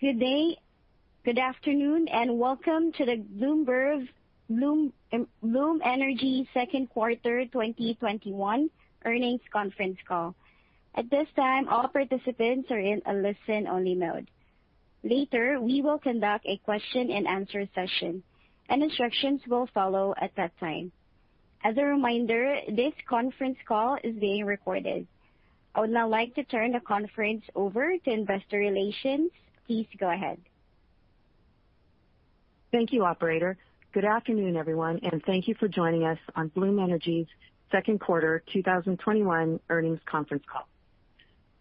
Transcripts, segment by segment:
Good day. Good afternoon, welcome to the Bloom Energy second quarter 2021 earnings conference call. At this time, all participants are in a listen-only mode. Later, we will conduct a question and answer session, and instructions will follow at that time. As a reminder, this conference call is being recorded. I would now like to turn the conference over to investor relations. Please go ahead. Thank you, operator. Good afternoon, everyone. Thank you for joining us on Bloom Energy's second quarter 2021 earnings conference call.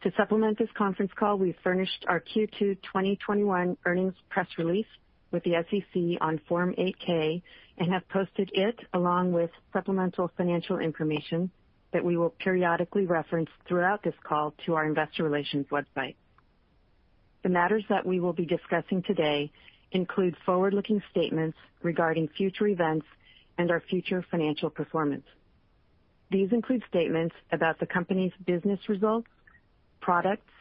To supplement this conference call, we furnished our Q2 2021 earnings press release with the SEC on Form 8-K and have posted it, along with supplemental financial information that we will periodically reference throughout this call, to our investor relations website. The matters that we will be discussing today include forward-looking statements regarding future events and our future financial performance. These include statements about the company's business results, products,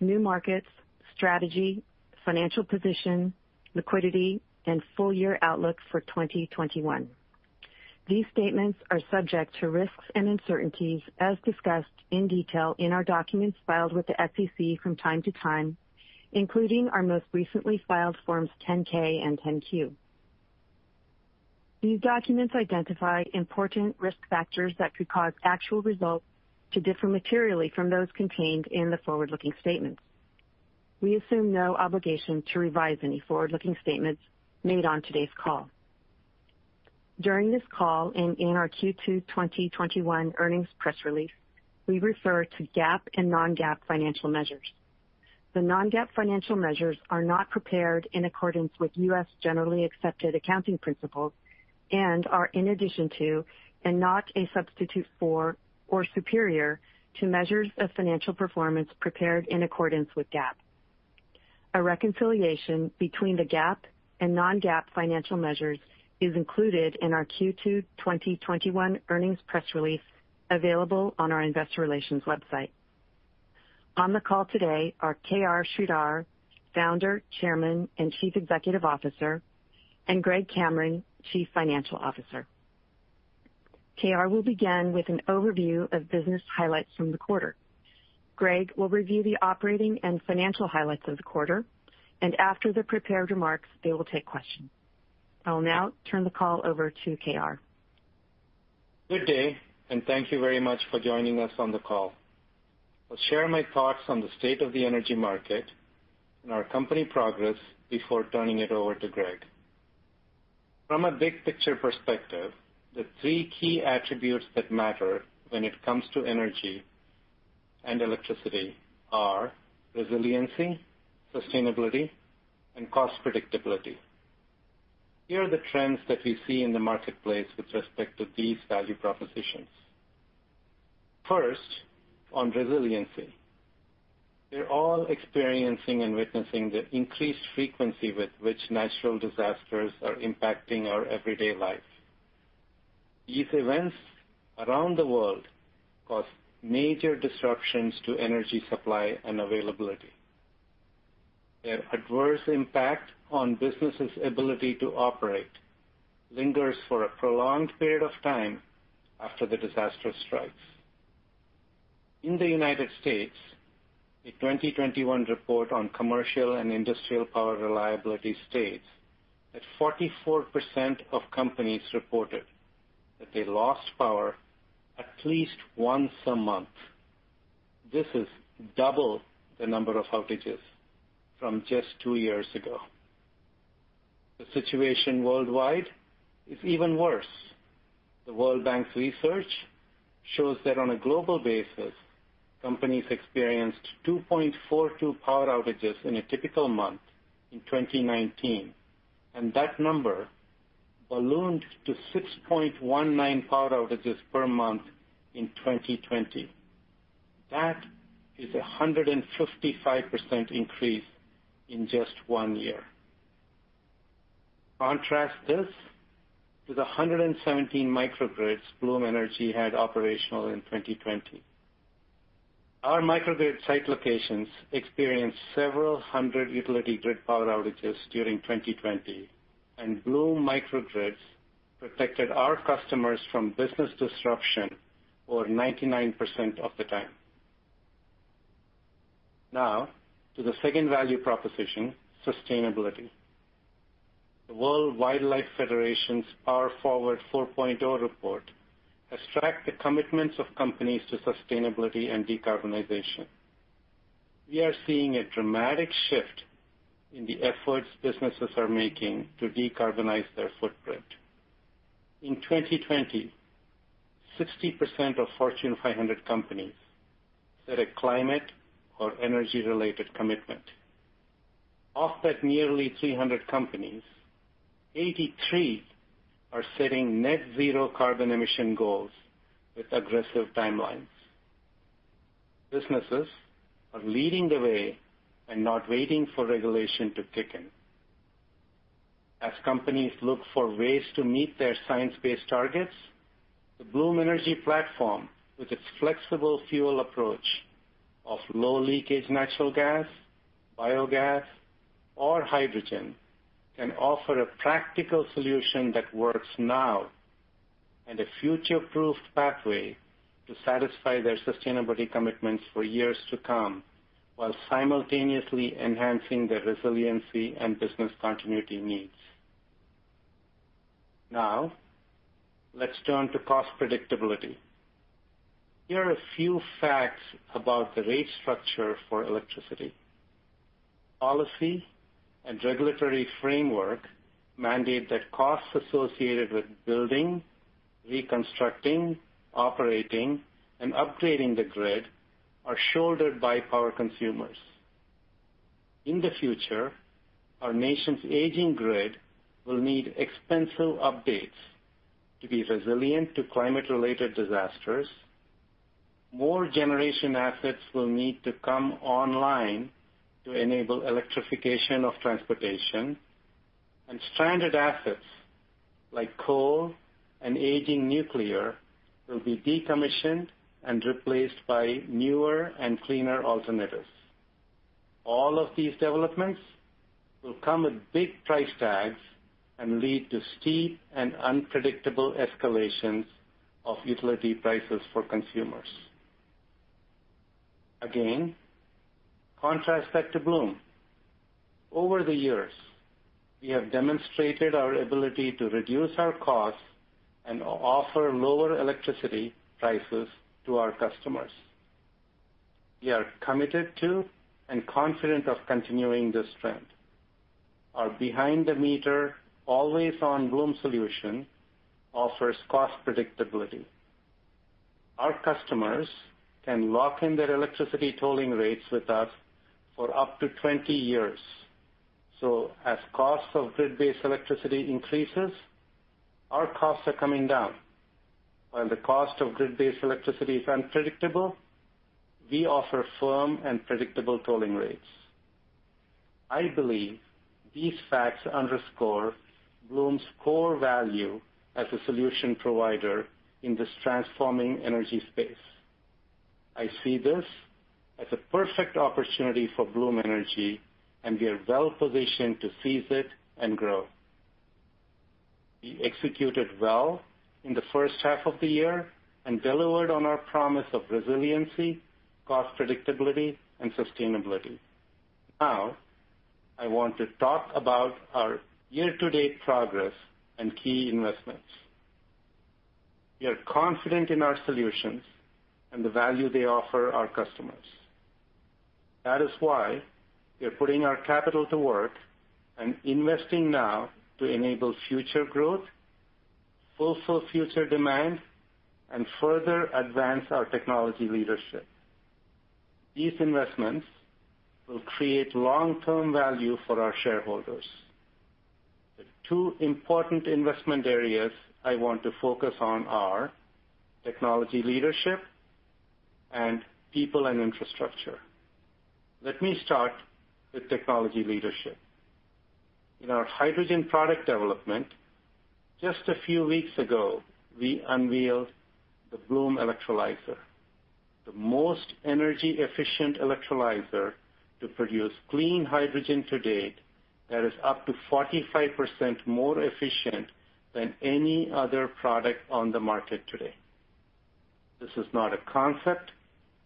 new markets, strategy, financial position, liquidity, and full-year outlook for 2021. These statements are subject to risks and uncertainties as discussed in detail in our documents filed with the SEC from time to time, including our most recently filed Forms 10-K and 10-Q. These documents identify important risk factors that could cause actual results to differ materially from those contained in the forward-looking statements. We assume no obligation to revise any forward-looking statements made on today's call. During this call and in our Q2 2021 earnings press release, we refer to GAAP and non-GAAP financial measures. The non-GAAP financial measures are not prepared in accordance with U.S. generally accepted accounting principles and are in addition to, and not a substitute for or superior to, measures of financial performance prepared in accordance with GAAP. A reconciliation between the GAAP and non-GAAP financial measures is included in our Q2 2021 earnings press release, available on our investor relations website. On the call today are K.R. Sridhar, Founder, Chairman, and Chief Executive Officer, and Greg Cameron, Chief Financial Officer. K.R. will begin with an overview of business highlights from the quarter. Greg will review the operating and financial highlights of the quarter, and after the prepared remarks, they will take questions. I will now turn the call over to K.R.. Good day, and thank you very much for joining us on the call. I'll share my thoughts on the state of the energy market and our company progress before turning it over to Greg. From a big-picture perspective, the three key attributes that matter when it comes to energy and electricity are resiliency, sustainability, and cost predictability. Here are the trends that we see in the marketplace with respect to these value propositions. First, on resiliency. We're all experiencing and witnessing the increased frequency with which natural disasters are impacting our everyday life. These events around the world cause major disruptions to energy supply and availability. Their adverse impact on businesses' ability to operate lingers for a prolonged period of time after the disaster strikes. In the U.S., a 2021 report on commercial and industrial power reliability states that 44% of companies reported that they lost power at least once a month. This is double the number of outages from just two years ago. The situation worldwide is even worse. The World Bank's research shows that on a global basis, companies experienced 2.42 power outages in a typical month in 2019, and that number ballooned to 6.19 power outages per month in 2020. That is 155% increase in just one year. Contrast this to the 117 microgrids Bloom Energy had operational in 2020. Our microgrid site locations experienced several hundred utility grid power outages during 2020, and Bloom microgrids protected our customers from business disruption over 99% of the time. Now to the second value proposition, sustainability. The World Wildlife Federation's Power Forward 4.0 report has tracked the commitments of companies to sustainability and decarbonization. We are seeing a dramatic shift in the efforts businesses are making to decarbonize their footprint. In 2020, 60% of Fortune 500 companies set a climate or energy-related commitment. Of that nearly 300 companies, 83 are setting net zero carbon emission goals with aggressive timelines. Businesses are leading the way and not waiting for regulation to kick in. Companies look for ways to meet their science-based targets, the Bloom Energy platform, with its flexible fuel approach of low leakage natural gas, biogas, or hydrogen, can offer a practical solution that works now and a future-proofed pathway to satisfy their sustainability commitments for years to come while simultaneously enhancing their resiliency and business continuity needs. Let's turn to cost predictability. Here are a few facts about the rate structure for electricity. Policy and regulatory framework mandate that costs associated with building, reconstructing, operating, and upgrading the grid are shouldered by power consumers. In the future, our nation's aging grid will need expensive updates to be resilient to climate-related disasters. More generation assets will need to come online to enable electrification of transportation, and stranded assets like coal and aging nuclear will be decommissioned and replaced by newer and cleaner alternatives. All of these developments will come with big price tags and lead to steep and unpredictable escalations of utility prices for consumers. Again, contrast that to Bloom. Over the years, we have demonstrated our ability to reduce our costs and offer lower electricity prices to our customers. We are committed to and confident of continuing this trend. Our behind-the-meter, AlwaysON Bloom solution offers cost predictability. Our customers can lock in their electricity tolling rates with us for up to 20 years. As cost of grid-based electricity increases, our costs are coming down. When the cost of grid-based electricity is unpredictable, we offer firm and predictable tolling rates. I believe these facts underscore Bloom's core value as a solution provider in this transforming energy space. I see this as a perfect opportunity for Bloom Energy, and we are well-positioned to seize it and grow. We executed well in the first half of the year and delivered on our promise of resiliency, cost predictability, and sustainability. Now, I want to talk about our year-to-date progress and key investments. We are confident in our solutions and the value they offer our customers. That is why we are putting our capital to work and investing now to enable future growth, fulfill future demand, and further advance our technology leadership. These investments will create long-term value for our shareholders. The two important investment areas I want to focus on are technology leadership and people and infrastructure. Let me start with technology leadership. In our hydrogen product development, just a few weeks ago, we unveiled the Bloom Electrolyzer, the most energy-efficient electrolyzer to produce clean hydrogen to date that is up to 45% more efficient than any other product on the market today. This is not a concept,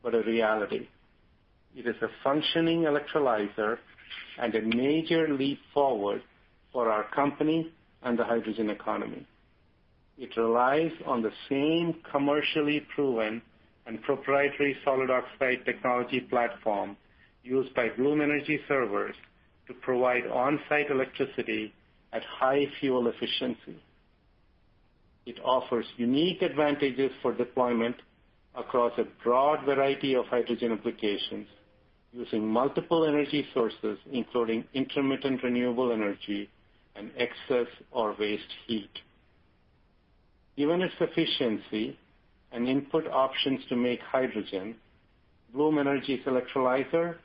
but a reality. It is a functioning electrolyzer and a major leap forward for our company and the hydrogen economy. It relies on the same commercially proven and proprietary solid oxide technology platform used by Bloom Energy Servers to provide on-site electricity at high fuel efficiency. It offers unique advantages for deployment across a broad variety of hydrogen applications using multiple energy sources, including intermittent renewable energy and excess or waste heat. Given its efficiency and input options to make hydrogen, Bloom Electrolyzer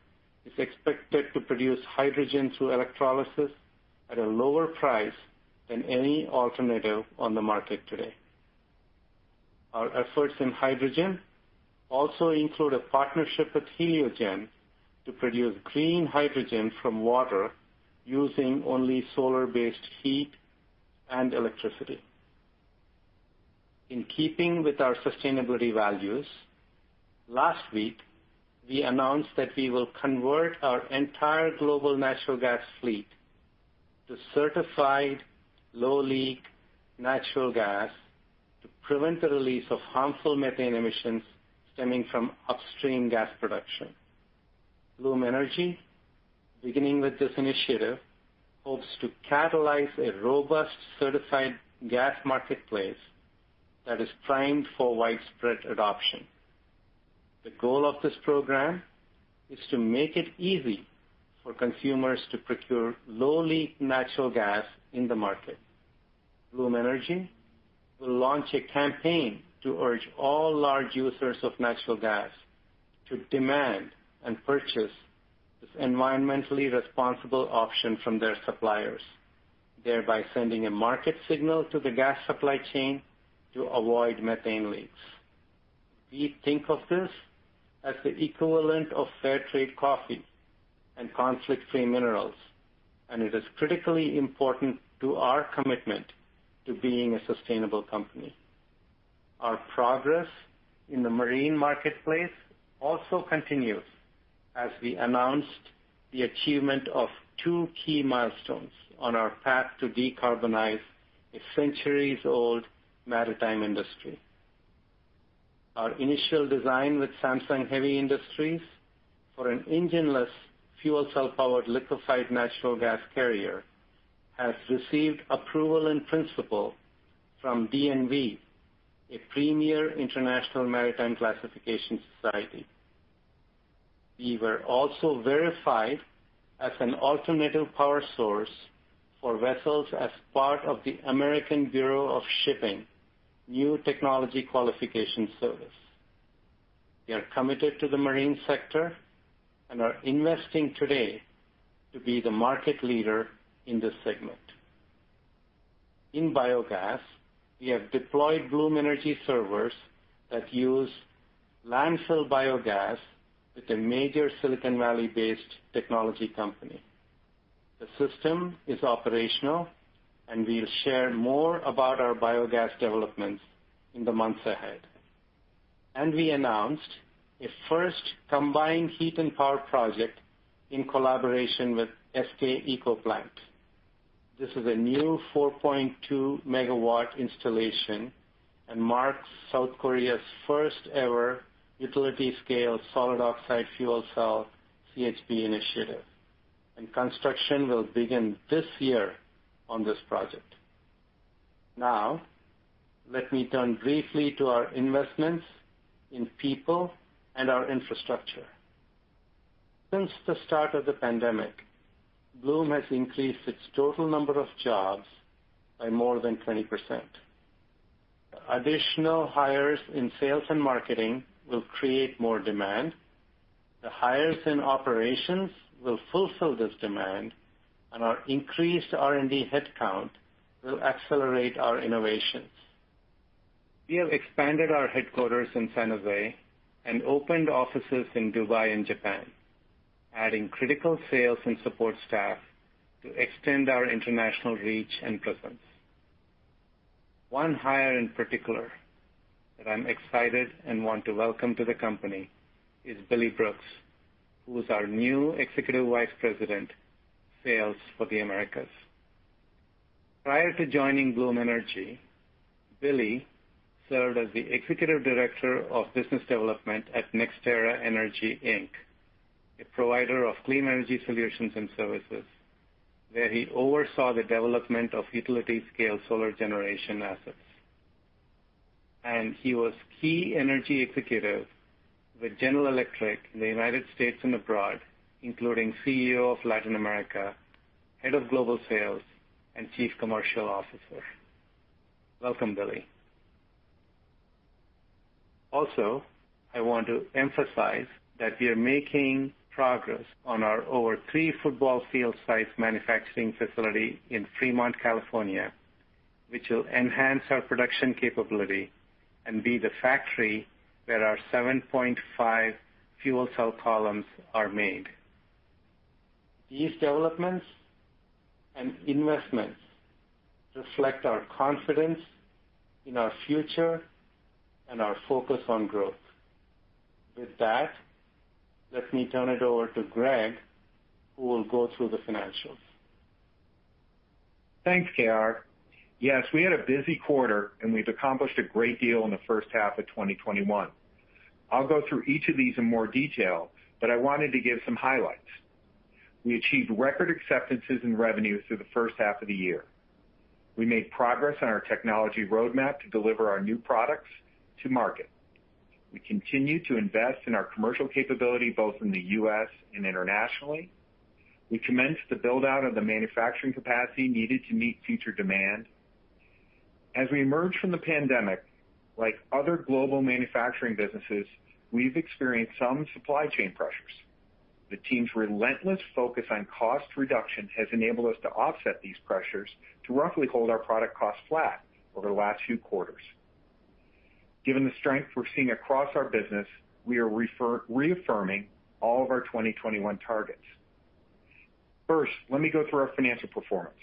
is expected to produce hydrogen through electrolysis at a lower price than any alternative on the market today. Our efforts in hydrogen also include a partnership with Heliogen to produce clean hydrogen from water using only solar-based heat and electricity. In keeping with our sustainability values, last week, we announced that we will convert our entire global natural gas fleet to certified low-leak natural gas to prevent the release of harmful methane emissions stemming from upstream gas production. Bloom Energy, beginning with this initiative, hopes to catalyze a robust, certified gas marketplace that is primed for widespread adoption. The goal of this program is to make it easy for consumers to procure low-leak natural gas in the market. Bloom Energy will launch a campaign to urge all large users of natural gas to demand and purchase this environmentally responsible option from their suppliers, thereby sending a market signal to the gas supply chain to avoid methane leaks. We think of this as the equivalent of fair trade coffee and conflict-free minerals, and it is critically important to our commitment to being a sustainable company. Our progress in the marine marketplace also continues, as we announced the achievement of two key milestones on our path to decarbonize a centuries-old maritime industry. Our initial design with Samsung Heavy Industries for an engineless fuel cell-powered liquified natural gas carrier has received approval in principle from DNV, a premier international maritime classification society. We were also verified as an alternative power source for vessels as part of the American Bureau of Shipping New Technology Qualification Service. We are committed to the marine sector and are investing today to be the market leader in this segment. In biogas, we have deployed Bloom Energy Servers that use landfill biogas with a major Silicon Valley-based technology company. The system is operational, and we'll share more about our biogas developments in the months ahead. We announced a first combined heat and power project in collaboration with SK ecoplant. This is a new 4.2 MW installation and marks South Korea's first ever utility-scale solid oxide fuel cell CHP initiative, and construction will begin this year on this project. Now, let me turn briefly to our investments in people and our infrastructure. Since the start of the pandemic, Bloom has increased its total number of jobs by more than 20%. Additional hires in sales and marketing will create more demand. The hires in operations will fulfill this demand, and our increased R&D headcount will accelerate our innovations. We have expanded our headquarters in San Jose and opened offices in Dubai and Japan, adding critical sales and support staff to extend our international reach and presence. One hire in particular that I'm excited and want to welcome to the company is Billy Brooks, who is our new Executive Vice President, Sales for the Americas. Prior to joining Bloom Energy, Billy served as the Executive Director of Business Development at NextEra Energy, Inc, a provider of clean energy solutions and services, where he oversaw the development of utility-scale solar generation assets. He was key energy executive with General Electric in the United States and abroad, including CEO of Latin America, Head of Global Sales, and Chief Commercial Officer. Welcome, Billy. I want to emphasize that we are making progress on our over three football field-sized manufacturing facility in Fremont, California, which will enhance our production capability and be the factory where our 7.5 fuel cell columns are made. These developments and investments reflect our confidence in our future and our focus on growth. Let me turn it over to Greg, who will go through the financials. Thanks, K.R.. Yes, we had a busy quarter. We've accomplished a great deal in the first half of 2021. I'll go through each of these in more detail. I wanted to give some highlights. We achieved record acceptances and revenues through the first half of the year. We made progress on our technology roadmap to deliver our new products to market. We continue to invest in our commercial capability, both in the U.S. and internationally. We commenced the build-out of the manufacturing capacity needed to meet future demand. As we emerge from the pandemic, like other global manufacturing businesses, we've experienced some supply chain pressures. The team's relentless focus on cost reduction has enabled us to offset these pressures to roughly hold our product cost flat over the last few quarters. Given the strength we're seeing across our business, we are reaffirming all of our 2021 targets. First, let me go through our financial performance.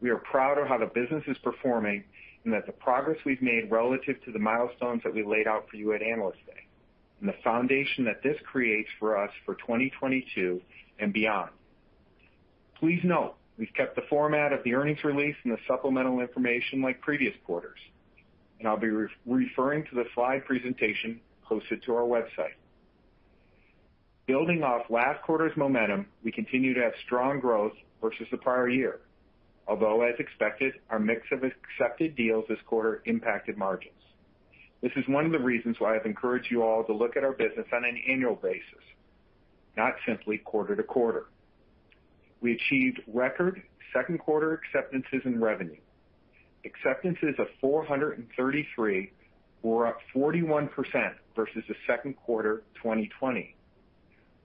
We are proud of how the business is performing and that the progress we've made relative to the milestones that we laid out for you at Analyst Day, and the foundation that this creates for us for 2022 and beyond. Please note, we've kept the format of the earnings release and the supplemental information like previous quarters, and I'll be referring to the slide presentation posted to our website. Building off last quarter's momentum, we continue to have strong growth versus the prior year, although, as expected, our mix of accepted deals this quarter impacted margins. This is one of the reasons why I've encouraged you all to look at our business on an annual basis, not simply quarter-to-quarter. We achieved record second quarter acceptances and revenue. Acceptances of 433 were up 41% versus the second quarter 2020.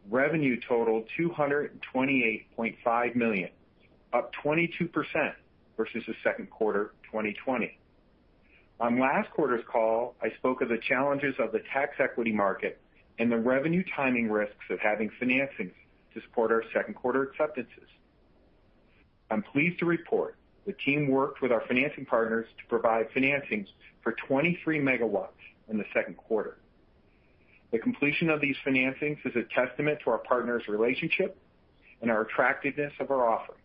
Revenue totaled $228.5 million, up 22% versus the second quarter 2020. On last quarter's call, I spoke of the challenges of the tax equity market and the revenue timing risks of having financings to support our second quarter acceptances. I'm pleased to report the team worked with our financing partners to provide financings for 23 MW in the second quarter. The completion of these financings is a testament to our partners' relationship and our attractiveness of our offerings.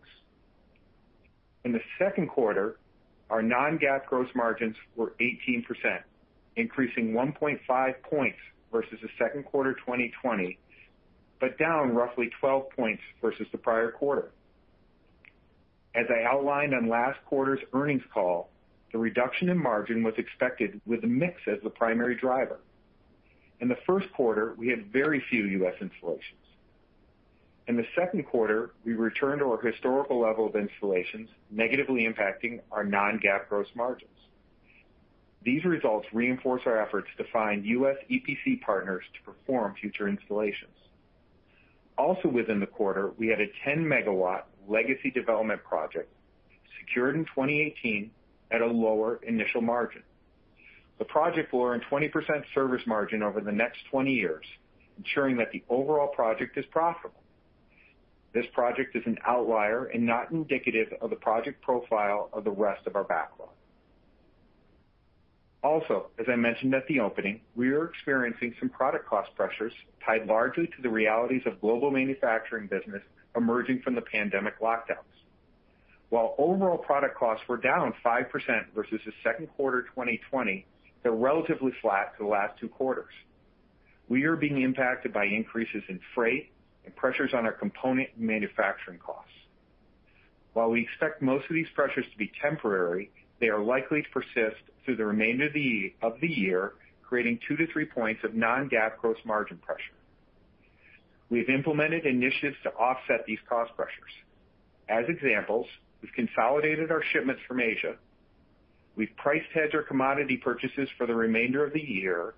In the second quarter, our non-GAAP gross margins were 18%, increasing 1.5 points versus the second quarter 2020, but down roughly 12 points versus the prior quarter. As I outlined on last quarter's earnings call, the reduction in margin was expected with the mix as the primary driver. In the first quarter, we had very few U.S. installations. In the second quarter, we returned to our historical level of installations, negatively impacting our non-GAAP gross margins. These results reinforce our efforts to find U.S. EPC partners to perform future installations. Also within the quarter, we had a 10 MW legacy development project secured in 2018 at a lower initial margin. The project will earn 20% service margin over the next 20 years, ensuring that the overall project is profitable. This project is an outlier and not indicative of the project profile of the rest of our backlog. Also, as I mentioned at the opening, we are experiencing some product cost pressures tied largely to the realities of global manufacturing business emerging from the pandemic lockdowns. While overall product costs were down 5% versus the second quarter 2020, they're relatively flat to the last two quarters. We are being impacted by increases in freight and pressures on our component and manufacturing costs. While we expect most of these pressures to be temporary, they are likely to persist through the remainder of the year, creating two-three points of non-GAAP gross margin pressure. We've implemented initiatives to offset these cost pressures as examples we've consolidated our shipments from Asia, we've price hedged our commodity purchases for the remainder of the year,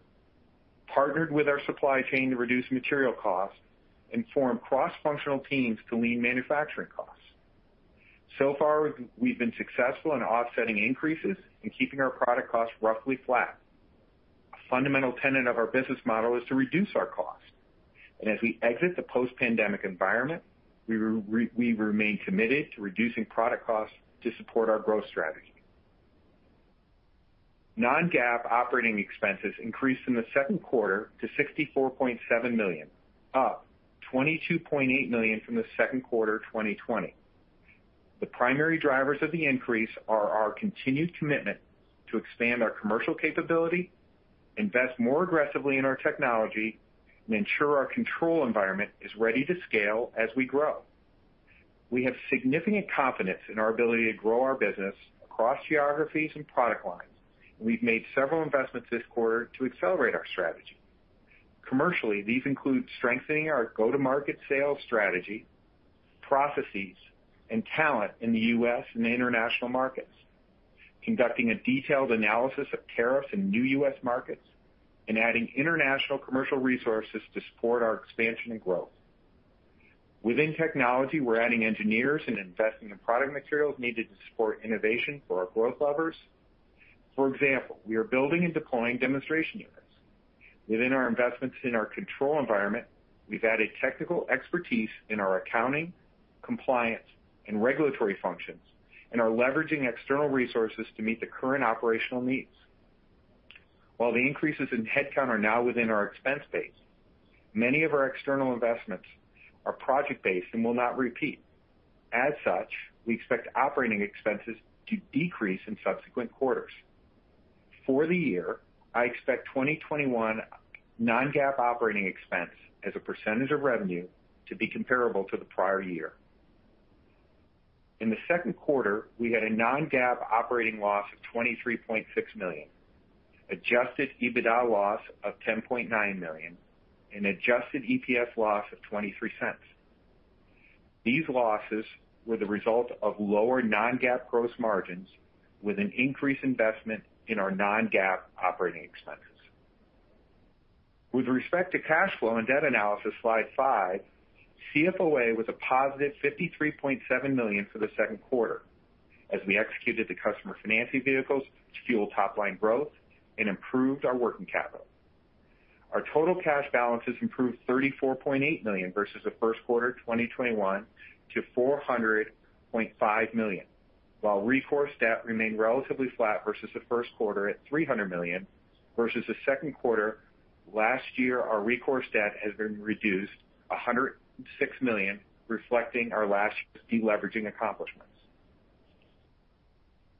partnered with our supply chain to reduce material cost, and formed cross functional teams to lean manufacturing cost. So far, we've been successful in offsetting increases and keeping our product costs roughly flat. A fundamental tenet of our business model is to reduce our costs. As we exit the post-pandemic environment, we remain committed to reducing product costs to support our growth strategy. Non-GAAP operating expenses increased in the second quarter to $64.7 million, up $22.8 million from the second quarter 2020. The primary drivers of the increase are our continued commitment to expand our commercial capability, invest more aggressively in our technology, and ensure our control environment is ready to scale as we grow. We have significant confidence in our ability to grow our business across geographies and product lines, and we've made several investments this quarter to accelerate our strategy. Commercially, these include strengthening our go-to-market sales strategy, processes, and talent in the U.S. and the international markets, conducting a detailed analysis of tariffs in new U.S. markets, and adding international commercial resources to support our expansion and growth. Within technology, we're adding engineers and investing in product materials needed to support innovation for our growth levers. For example, we are building and deploying demonstration units. Within our investments in our control environment, we've added technical expertise in our accounting, compliance, and regulatory functions and are leveraging external resources to meet the current operational needs. While the increases in headcount are now within our expense base, many of our external investments are project-based and will not repeat. As such, we expect operating expenses to decrease in subsequent quarters. For the year, I expect 2021 non-GAAP operating expense as a percentage of revenue to be comparable to the prior year. In the second quarter, we had a non-GAAP operating loss of $23.6 million, adjusted EBITDA loss of $10.9 million, and adjusted EPS loss of $0.23. These losses were the result of lower non-GAAP gross margins with an increased investment in our non-GAAP operating expenses. With respect to cash flow and debt analysis, slide five, CFOA was a +$53.7 million for the second quarter as we executed the customer financing vehicles to fuel top line growth and improved our working capital. Our total cash balances improved $34.8 million versus the first quarter 2021 to $400.5 million, while recourse debt remained relatively flat versus the first quarter at $300 million versus the second quarter. Last year, our recourse debt has been reduced $106 million, reflecting our last year's de-leveraging accomplishments.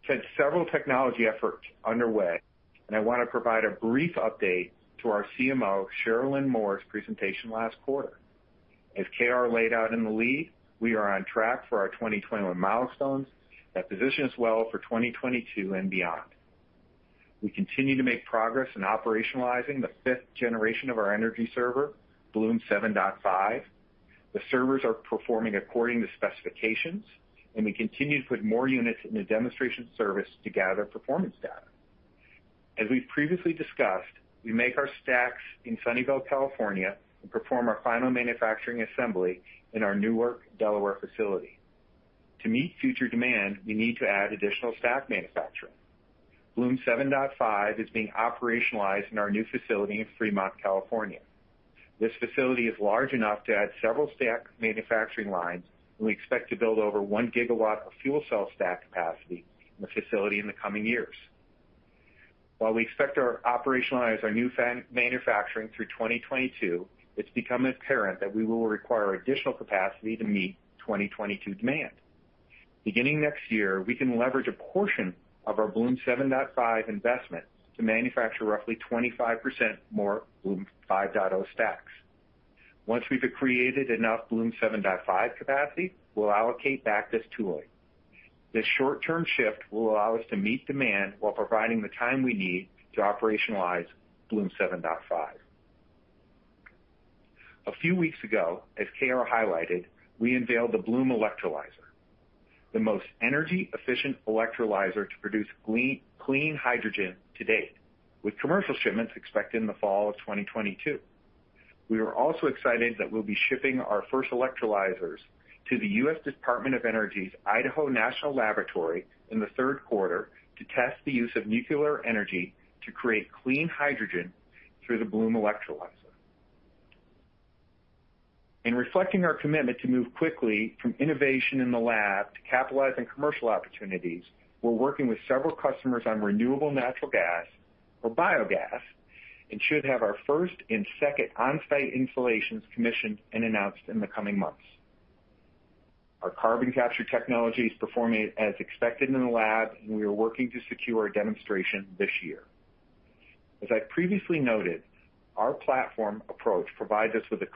We've had several technology efforts underway, and I want to provide a brief update to our CMO, Sharelynn Moore's presentation last quarter. As K.R. laid out in the lead, we are on track for our 2021 milestones that position us well for 2022 and beyond. We continue to make progress in operationalizing the 5th generation of our energy server, Bloom 7.5. The servers are performing according to specifications, and we continue to put more units in the demonstration service to gather performance data. As we've previously discussed, we make our stacks in Sunnyvale, California, and perform our final manufacturing assembly in our Newark, Delaware facility. To meet future demand, we need to add additional stack manufacturing. Bloom 7.5 is being operationalized in our new facility in Fremont, California. This facility is large enough to add several stack manufacturing lines, and we expect to build over 1 GW of fuel cell stack capacity in the facility in the coming years. While we expect to operationalize our new manufacturing through 2022, it's become apparent that we will require additional capacity to meet 2022 demand. Beginning next year, we can leverage a portion of our Bloom 7.5 investment to manufacture roughly 25% more Bloom 5.0 stacks. Once we've created enough Bloom 7.5 capacity, we'll allocate back this tooling. This short-term shift will allow us to meet demand while providing the time we need to operationalize Bloom 7.5. A few weeks ago, as K.R. highlighted, we unveiled the Bloom Electrolyzer, the most energy-efficient electrolyzer to produce clean hydrogen to date, with commercial shipments expected in the fall of 2022. We are also excited that we'll be shipping our first electrolyzers to the U.S. Department of Energy's Idaho National Laboratory in the third quarter to test the use of nuclear energy to create clean hydrogen through the Bloom Electrolyzer. In reflecting our commitment to move quickly from innovation in the lab to capitalizing commercial opportunities, we're working with several customers on renewable natural gas, or biogas, and should have our first and second on-site installations commissioned and announced in the coming months. Our carbon capture technology is performing as expected in the lab, and we are working to secure a demonstration this year. As I previously noted, our platform approach provides us with a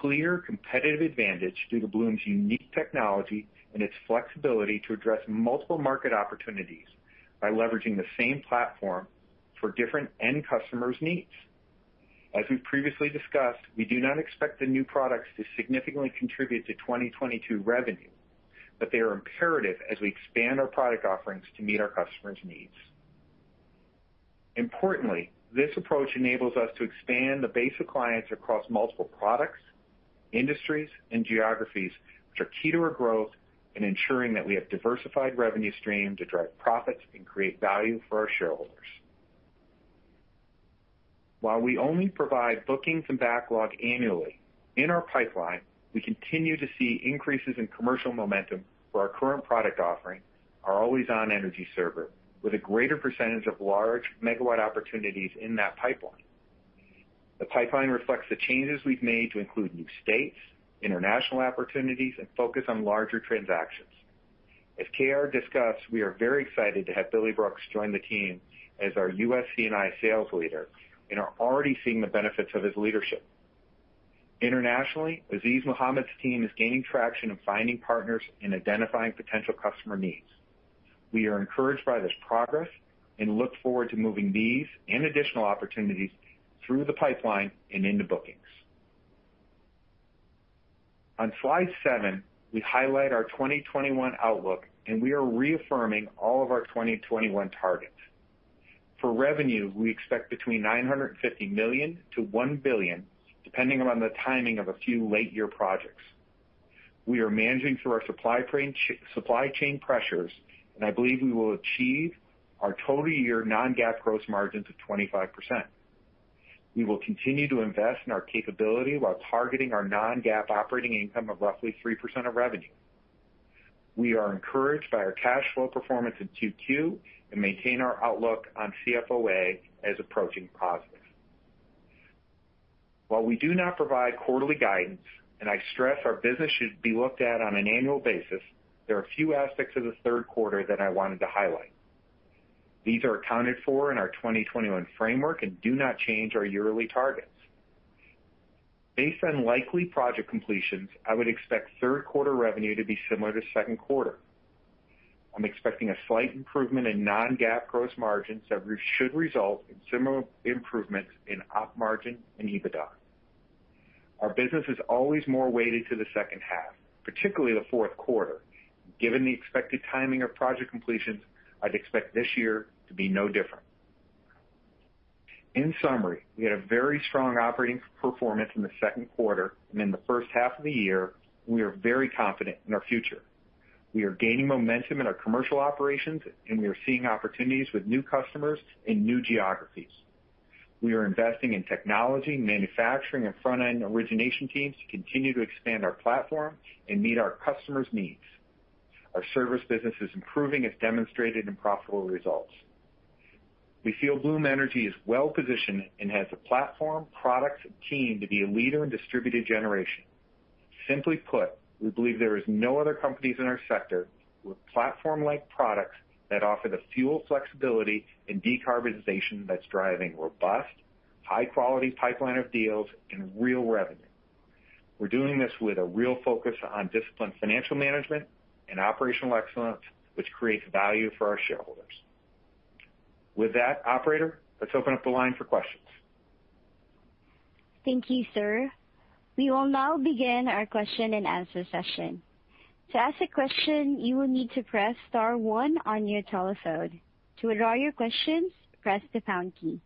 clear competitive advantage due to Bloom's unique technology and its flexibility to address multiple market opportunities by leveraging the same platform for different end customers' needs. As we've previously discussed, we do not expect the new products to significantly contribute to 2022 revenue, but they are imperative as we expand our product offerings to meet our customers' needs. Importantly, this approach enables us to expand the base of clients across multiple products, industries, and geographies, which are key to our growth in ensuring that we have diversified revenue stream to drive profits and create value for our shareholders. While we only provide bookings and backlog annually, in our pipeline, we continue to see increases in commercial momentum for our current product offering, our AlwaysON Energy Server, with a greater percentage of large megawatt opportunities in that pipeline. The pipeline reflects the changes we've made to include new states, international opportunities, and focus on larger transactions. As K.R. discussed, we are very excited to have Billy Brooks join the team as our U.S. C&I Sales Leader and are already seeing the benefits of his leadership. Internationally, Azeez Mohammed's team is gaining traction in finding partners and identifying potential customer needs. We are encouraged by this progress and look forward to moving these and additional opportunities through the pipeline and into bookings. On slide seven, we highlight our 2021 outlook, and we are reaffirming all of our 2021 targets. For revenue, we expect between $950 million-$1 billion, depending on the timing of a few late year projects. We are managing through our supply chain pressures, and I believe we will achieve our total year non-GAAP gross margins of 25%. We will continue to invest in our capability while targeting our non-GAAP operating income of roughly 3% of revenue. We are encouraged by our cash flow performance in Q2 and maintain our outlook on CFOA as approaching positive. While we do not provide quarterly guidance, and I stress our business should be looked at on an annual basis, there are a few aspects of the third quarter that I wanted to highlight. These are accounted for in our 2021 framework and do not change our yearly targets. Based on likely project completions, I would expect third quarter revenue to be similar to second quarter. I'm expecting a slight improvement in non-GAAP gross margins that should result in similar improvements in op margin and EBITDA. Our business is always more weighted to the second half, particularly the fourth quarter. Given the expected timing of project completions, I'd expect this year to be no different. In summary, we had a very strong operating performance in the second quarter and in the first half of the year. We are very confident in our future. We are gaining momentum in our commercial operations, and we are seeing opportunities with new customers in new geographies. We are investing in technology, manufacturing, and front-end origination teams to continue to expand our platform and meet our customers' needs. Our service business is improving as demonstrated in profitable results. We feel Bloom Energy is well-positioned and has the platform, products, and team to be a leader in distributed generation. Simply put, we believe there is no other companies in our sector with platform-like products that offer the fuel flexibility and decarbonization that's driving robust, high-quality pipeline of deals and real revenue. We're doing this with a real focus on disciplined financial management and operational excellence, which creates value for our shareholders. With that, operator, let's open up the line for questions. Thank you, sir. We will now begin our question-and-answer session. To ask a question, you will need to press star one on your telephone. To withdraw your questions, press the pound key.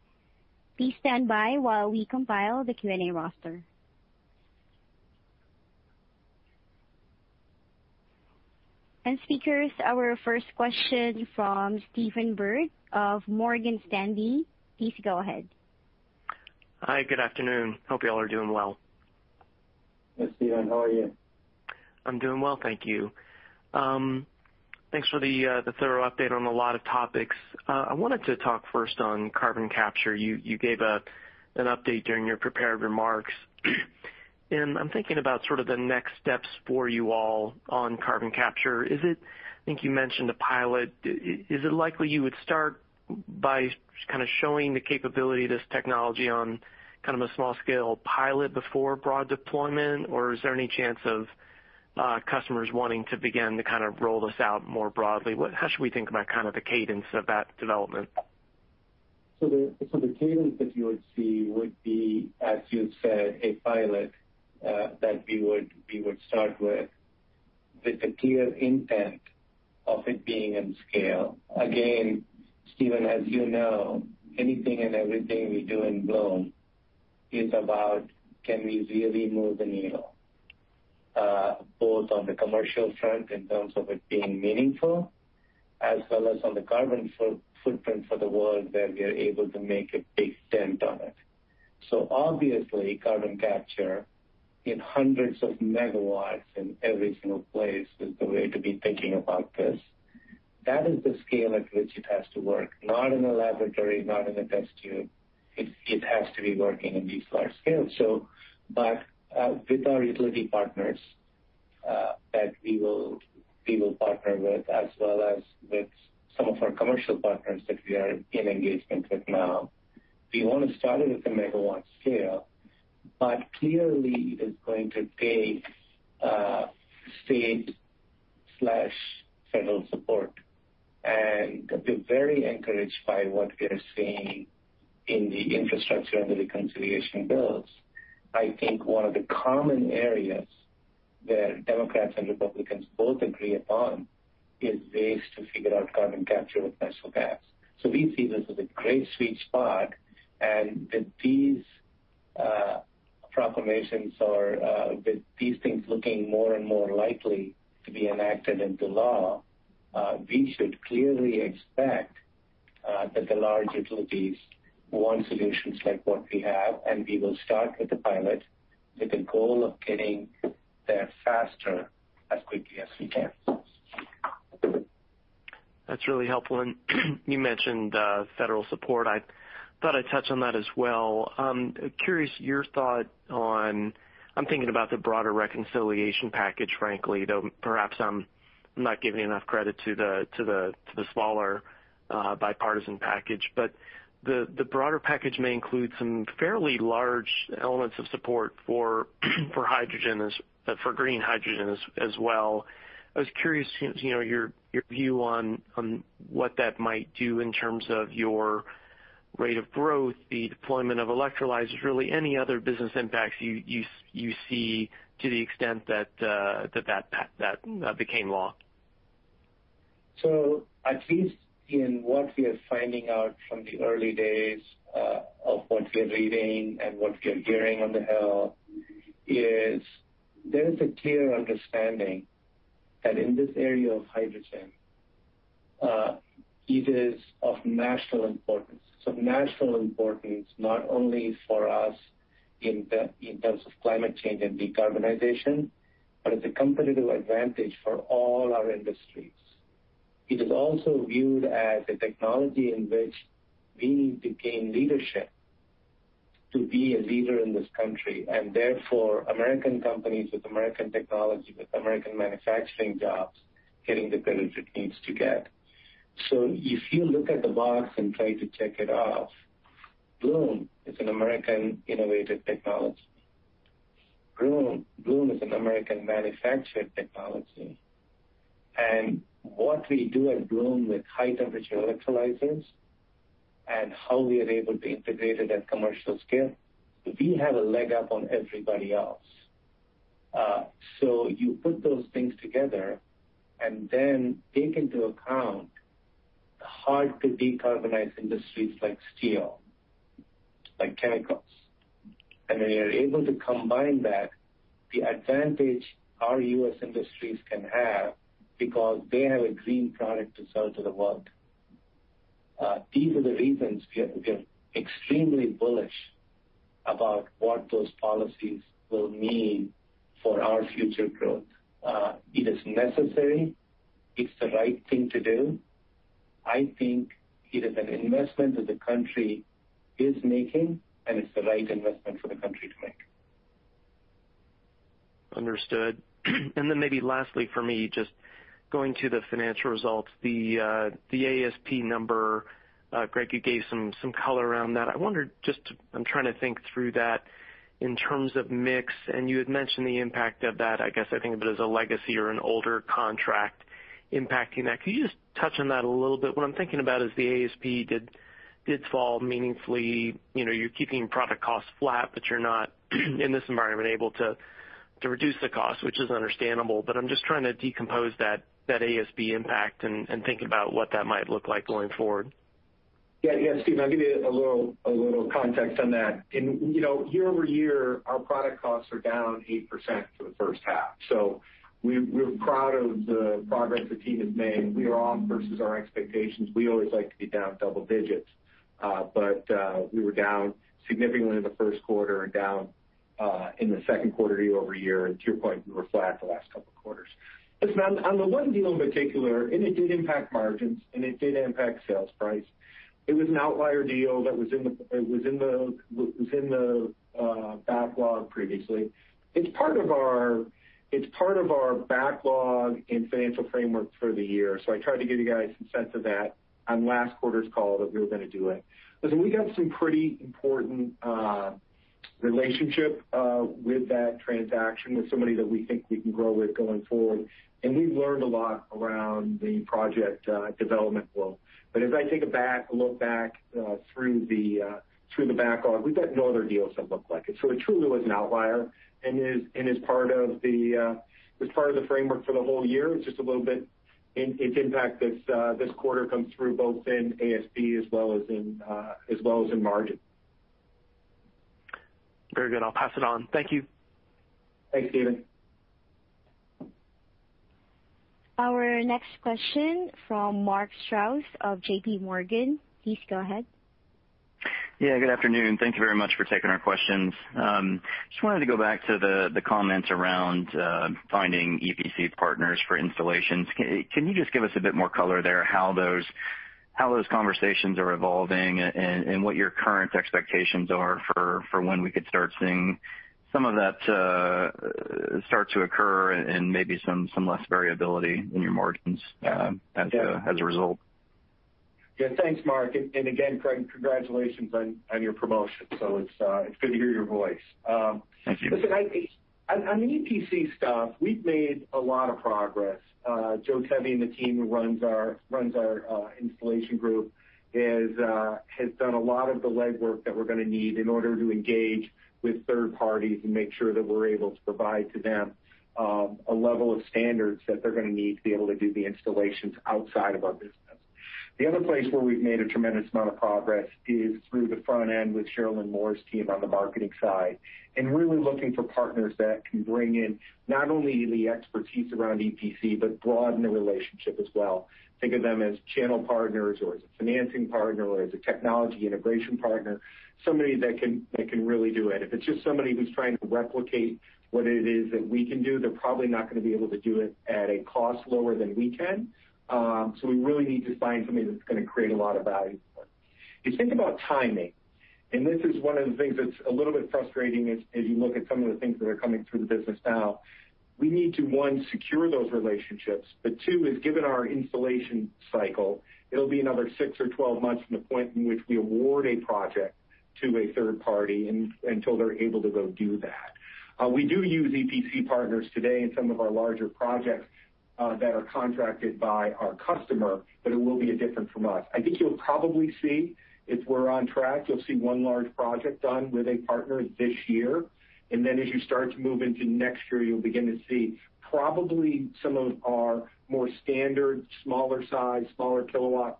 Please stand by while we compile the Q&A roster. Speakers, our first question from Stephen Byrd of Morgan Stanley. Please go ahead. Hi, good afternoon. Hope you all are doing well. Hi, Stephen. How are you? I'm doing well, thank you. Thanks for the thorough update on a lot of topics. I wanted to talk first on carbon capture. You gave an update during your prepared remarks, and I'm thinking about sort of the next steps for you all on carbon capture. I think you mentioned a pilot. Is it likely you would start by kind of showing the capability of this technology on kind of a small-scale pilot before broad deployment, or is there any chance of customers wanting to begin to kind of roll this out more broadly? How should we think about kind of the cadence of that development? The cadence that you would see would be, as you said, a pilot that we would start with the clear intent of it being in scale. Again, Stephen, as you know, anything and everything we do in Bloom is about can we really move the needle, both on the commercial front in terms of it being meaningful, as well as on the carbon footprint for the world, that we are able to make a big dent on it. Obviously, carbon capture in hundreds of megawatts in every single place is the way to be thinking about this. That is the scale at which it has to work, not in a laboratory, not in a test tube. It has to be working in these large scales. With our utility partners that we will partner with, as well as with some of our commercial partners that we are in engagement with now, we want to start it at the megawatt scale, but clearly it is going to take state/federal support. We're very encouraged by what we are seeing in the infrastructure and the reconciliation bills. I think one of the common areas where Democrats and Republicans both agree upon is ways to figure out carbon capture with natural gas. We see this as a great sweet spot, and that these proclamations are, with these things looking more and more likely to be enacted into law, we should clearly expect that the large utilities want solutions like what we have, and we will start with the pilot, with the goal of getting there faster, as quickly as we can. That's really helpful. You mentioned federal support. I thought I'd touch on that as well. I'm curious, your thought on, I'm thinking about the broader reconciliation package, frankly, though, perhaps I'm not giving enough credit to the smaller bipartisan package. The broader package may include some fairly large elements of support for hydrogen, for green hydrogen as well. I was curious your view on what that might do in terms of your rate of growth, the deployment of electrolyzers, really any other business impacts you see to the extent that that became law. At least in what we are finding out from the early days of what we are reading and what we are hearing on the Hill is, there is a clear understanding that in this area of hydrogen, it is of national importance. It's of national importance, not only for us in terms of climate change and decarbonization, but it's a competitive advantage for all our industries. It is also viewed as a technology in which we gain leadership to be a leader in this country, and therefore American companies with American technology, with American manufacturing jobs, getting the credit it needs to get. If you look at the box and try to check it off, Bloom is an American innovative technology. Bloom is an American-manufactured technology. What we do at Bloom with high-temperature electrolyzers and how we are able to integrate it at commercial scale, we have a leg up on everybody else. You put those things together and then take into account the hard-to-decarbonize industries like steel, like chemicals, and when you're able to combine that, the advantage our U.S. industries can have because they have a green product to sell to the world. These are the reasons we are extremely bullish about what those policies will mean for our future growth. It is necessary. It's the right thing to do. I think it is an investment that the country is making, and it's the right investment for the country to make. Understood. Maybe lastly for me, just going to the financial results, the ASP number, Greg, you gave some color around that. I'm trying to think through that in terms of mix, and you had mentioned the impact of that, I guess I think of it as a legacy or an older contract impacting that. Could you just touch on that a little bit? What I'm thinking about is the ASP did fall meaningfully. You're keeping product costs flat, but you're not, in this environment, able to reduce the cost, which is understandable. I'm just trying to decompose that ASP impact and think about what that might look like going forward. Stephen, I'll give you a little context on that. In year-over-year, our product costs are down 8% for the first half. We're proud of the progress the team has made. We are on versus our expectations. We always like to be down double digits. We were down significantly in the first quarter and down in the second quarter year-over-year, and to your point, we were flat the last couple of quarters. Listen, on the one deal in particular, it did impact margins, and it did impact sales price. It was an outlier deal that was in the backlog previously. It's part of our backlog and financial framework for the year. I tried to give you guys some sense of that on last quarter's call that we were going to do it. Listen, we got some pretty important relationship with that transaction with somebody that we think we can grow with going forward. We've learned a lot around the project development flow. As I take a look back through the backlog, we've got no other deals that look like it. It truly was an outlier and is part of the framework for the whole year. It's just a little bit in its impact this quarter comes through both in ASP as well as in margin. Very good. I'll pass it on. Thank you. Thanks, Stephen. Our next question from Mark Strouse of JPMorgan. Please go ahead. Good afternoon. Thank you very much for taking our questions. Just wanted to go back to the comments around finding EPC partners for installations. Can you just give us a bit more color there, how those conversations are evolving and what your current expectations are for when we could start seeing some of that start to occur and maybe some less variability in your margins as a result? Yeah. Thanks, Mark. Again, congratulations on your promotion. It's good to hear your voice. Thank you. Listen, on the EPC stuff, we've made a lot of progress. Joe Tavi and the team who runs our installation group has done a lot of the legwork that we're going to need in order to engage with third parties and make sure that we're able to provide to them a level of standards that they're going to need to be able to do the installations outside of our business. The other place where we've made a tremendous amount of progress is through the front end with Sharelynn Moore's team on the marketing side, really looking for partners that can bring in not only the expertise around EPC, but broaden the relationship as well. Think of them as channel partners or as a financing partner or as a technology integration partner, somebody that can really do it. If it's just somebody who's trying to replicate what it is that we can do, they're probably not going to be able to do it at a cost lower than we can. We really need to find somebody that's going to create a lot of value for us. You think about timing, this is one of the things that's a little bit frustrating as you look at some of the things that are coming through the business now. We need to, one, secure those relationships. Two is, given our installation cycle, it'll be another six or 12 months from the point in which we award a project to a third party until they're able to go do that. We do use EPC partners today in some of our larger projects that are contracted by our customer, but it will be different from us. I think if we're on track, you'll see one large project done with a partner this year. As you start to move into next year, you'll begin to see probably some of our more standard, smaller size, smaller kilowatt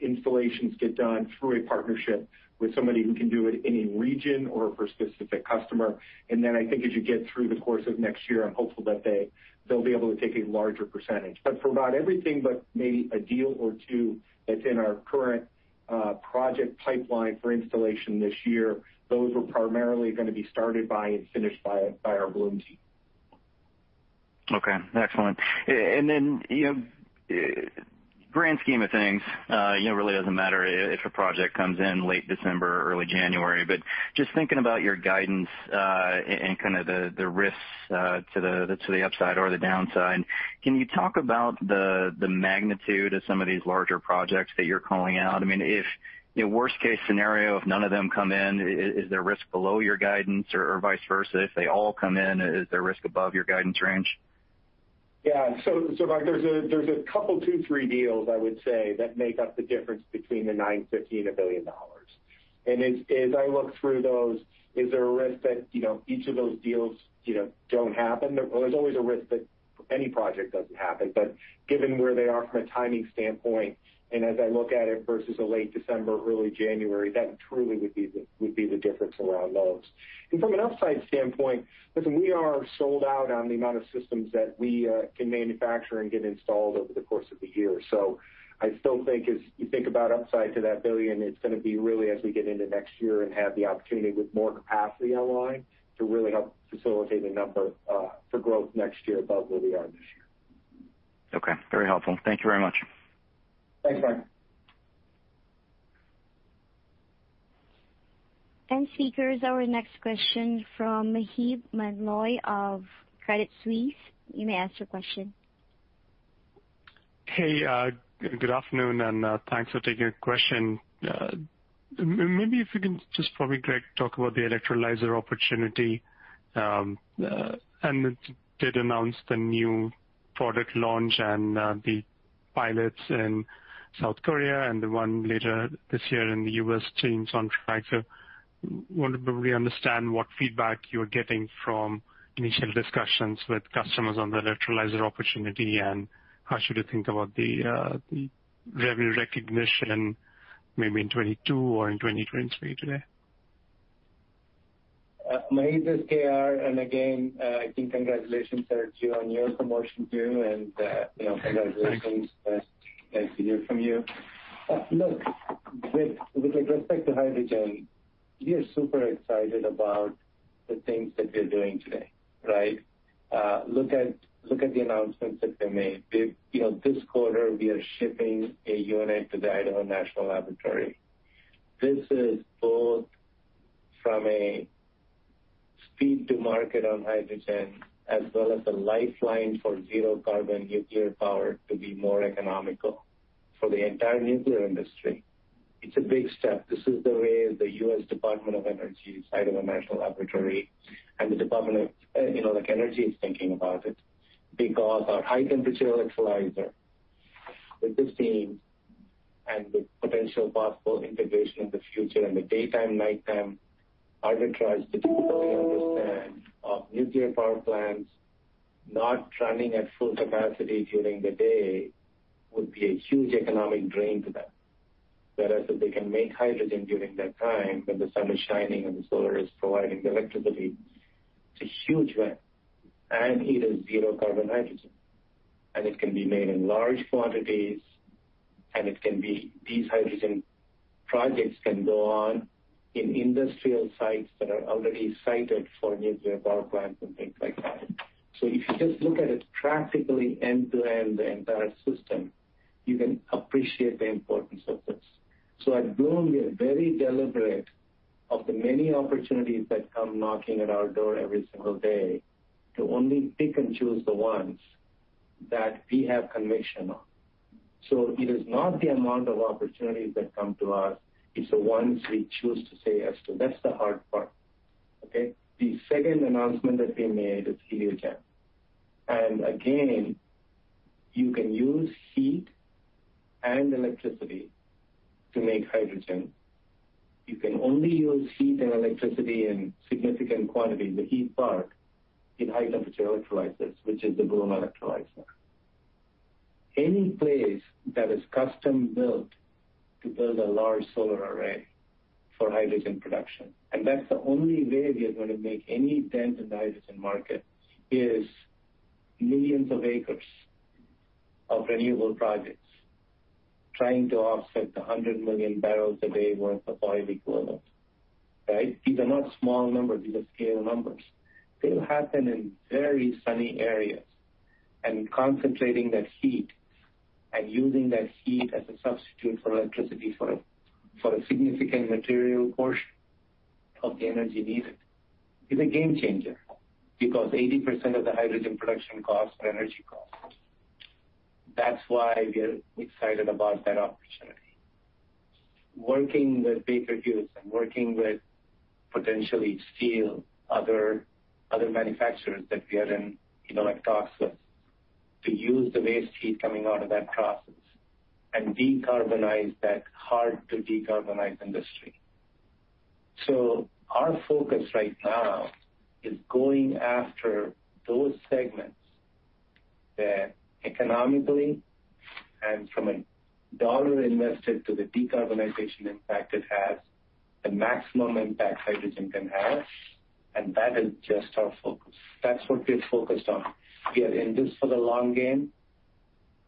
installations get done through a partnership with somebody who can do it in a region or for a specific customer. I think as you get through the course of next year, I'm hopeful that they'll be able to take a larger percentage. For about everything but maybe a deal or two that's in our current project pipeline for installation this year, those were primarily going to be started by and finished by our Bloom team. Okay. Excellent. Grand scheme of things, really doesn't matter if a project comes in late December or early January. Just thinking about your guidance and kind of the risks to the upside or the downside, can you talk about the magnitude of some of these larger projects that you're calling out? I mean, worst case scenario, if none of them come in, is there risk below your guidance or vice versa? If they all come in, is there risk above your guidance range? Mark, there's a couple, two, three deals I would say that make up the difference between the $950 million and $1 billion. As I look through those, is there a risk that each of those deals don't happen? There's always a risk that any project doesn't happen. Given where they are from a timing standpoint, and as I look at it versus a late December, early January, that truly would be the difference around those. From an upside standpoint, listen, we are sold out on the amount of systems that we can manufacture and get installed over the course of the year. I still think as you think about upside to that billion, it's going to be really as we get into next year and have the opportunity with more capacity online to really help facilitate the number for growth next year above where we are this year. Okay. Very helpful. Thank you very much. Thanks, Mark. Speakers, our next question from Maheep Mandloi of Credit Suisse. You may ask your question. Hey, good afternoon, and thanks for taking the question. Maybe if you can just probably, Greg, talk about the electrolyzer opportunity. You did announce the new product launch and the pilots in South Korea and the one later this year in the U.S. teams on track. I want to probably understand what feedback you're getting from initial discussions with customers on the electrolyzer opportunity, and how should we think about the revenue recognition maybe in 2022 or in 2023 today? Maheep, this is K.R.. Again, I think congratulations are due on your promotion, congratulations. Thanks. Nice to hear from you. Look, with respect to hydrogen, we are super excited about the things that we're doing today, right? Look at the announcements that we made. This quarter, we are shipping a unit to the Idaho National Laboratory. This is both from a speed to market on hydrogen, as well as a lifeline for zero-carbon nuclear power to be more economical for the entire nuclear industry. It's a big step. This is the way the U.S. Department of Energy, Idaho National Laboratory, and the Department of Energy is thinking about it. Because our high-temperature electrolyzer, with this theme and with potential possible integration in the future and the daytime, nighttime arbitrage that you probably understand of nuclear power plants not running at full capacity during the day would be a huge economic drain to them. If they can make hydrogen during that time, when the sun is shining and the solar is providing the electricity, it's a huge win. It is zero carbon hydrogen. It can be made in large quantities, and these hydrogen projects can go on in industrial sites that are already sited for nuclear power plants and things like that. If you just look at it practically end-to-end, the entire system, you can appreciate the importance of this. At Bloom, we are very deliberate of the many opportunities that come knocking at our door every single day to only pick and choose the ones that we have conviction on. It is not the amount of opportunities that come to us, it's the ones we choose to say yes to. That's the hard part. Okay? The second announcement that we made is Heliogen. Again, you can use heat and electricity to make hydrogen. You can only use heat and electricity in significant quantity, the heat part, in high temperature electrolyzers, which is the Bloom Electrolyzer. Any place that is custom-built to build a large solar array for hydrogen production, and that's the only way we are going to make any dent in the hydrogen market, is millions of acres of renewable projects trying to offset the 100 MMbpd worth of oil equivalent. Right? These are not small numbers. These are scale numbers. They'll happen in very sunny areas, and concentrating that heat and using that heat as a substitute for electricity for a significant material portion of the energy needed is a game changer, because 80% of the hydrogen production costs are energy costs. That's why we are excited about that opportunity. Working with Baker Hughes and working with potentially steel, other manufacturers that we are in talks with to use the waste heat coming out of that process and decarbonize that hard-to-decarbonize industry. Our focus right now is going after those segments that economically and from a dollar invested to the decarbonization impact it has, the maximum impact hydrogen can have, and that is just our focus. That's what we're focused on. We are in this for the long game.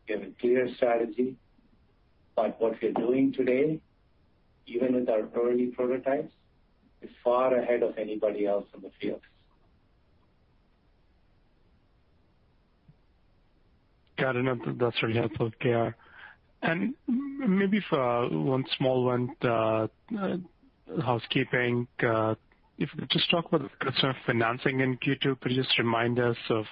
We have a clear strategy. What we're doing today, even with our early prototypes, is far ahead of anybody else in the field. Got it. That's really helpful, K.R.. Maybe for one small one, housekeeping, if you could just talk about the concern of financing in Q2. Could you just remind us of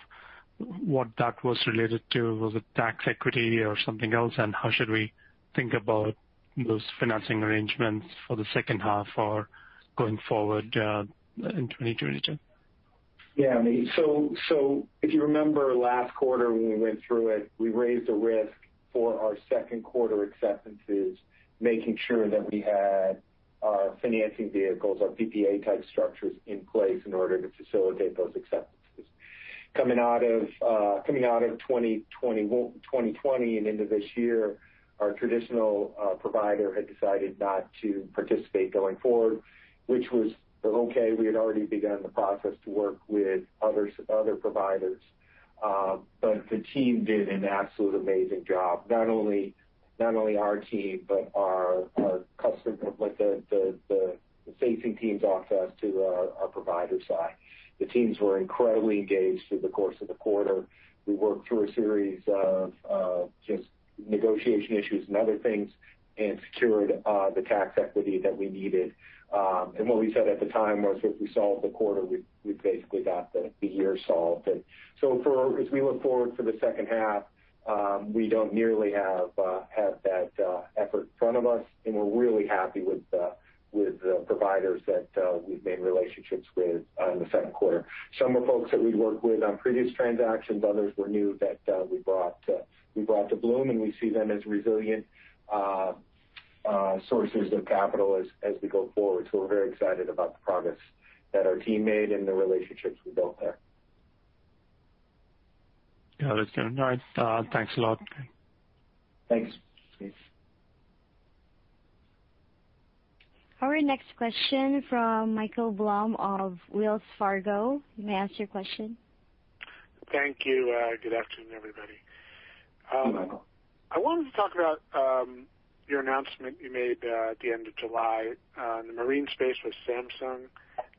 what that was related to? Was it tax equity or something else? How should we think about those financing arrangements for the second half or going forward in 2022? Yeah, Maheep. If you remember last quarter when we went through it, we raised a risk for our second quarter acceptances, making sure that we had our financing vehicles, our PPA-type structures in place in order to facilitate those acceptances. Coming out of 2020 and into this year, our traditional provider had decided not to participate going forward, which was okay. We had already begun the process to work with other providers. The team did an absolute amazing job. Not only our team, but our customer, the facing teams off to us, to our provider side. The teams were incredibly engaged through the course of the quarter. We worked through a series of just negotiation issues and other things, and secured the tax equity that we needed. What we said at the time was, if we solve the quarter, we've basically got the year solved. As we look forward to the second half, we don't nearly have that effort in front of us, and we're really happy with the providers that we've made relationships with in the second quarter. Some are folks that we'd worked with on previous transactions. Others were new that we brought to Bloom, and we see them as resilient sources of capital as we go forward. We're very excited about the progress that our team made and the relationships we built there. Got it. All right. Thanks a lot. Thanks. Our next question from Michael Blum of Wells Fargo. You may ask your question. Thank you. Good afternoon, everybody. Hey, Michael. I wanted to talk about your announcement you made at the end of July in the marine space with Samsung.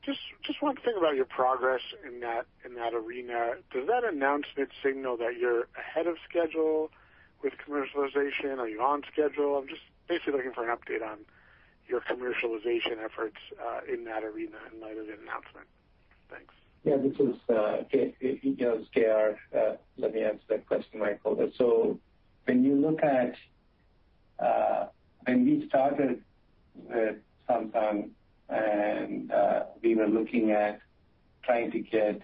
Just one thing about your progress in that arena. Does that announcement signal that you're ahead of schedule with commercialization? Are you on schedule? I'm just basically looking for an update on your commercialization efforts in that arena in light of the announcement. Thanks. This is K.R.. Let me answer that question, Michael. When we started with Samsung and we were looking at trying to get